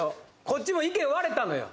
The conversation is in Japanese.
こっちも意見割れたのよ